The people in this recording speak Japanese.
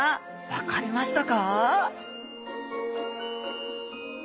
分かりました。